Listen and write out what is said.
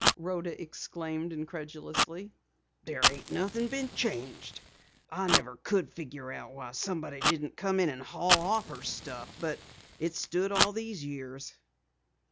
Rhoda exclaimed incredulously. "There ain't nothing been changed. I never could figure why someone didn't come in an' haul off her stuff, but it's stood all these years."